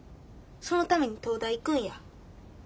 そのために東大行くんや。